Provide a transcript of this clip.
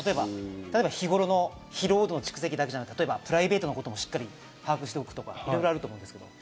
例えば日頃の疲労度、蓄積なんかもありますけど、プライベートなことも把握しておくとか、いろいろあると思うんですけど。